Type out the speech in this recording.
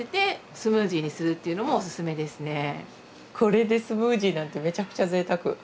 これでスムージーなんてめちゃくちゃぜいたく。